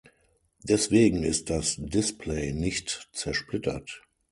Deswegen ist das Display nicht zersplittert.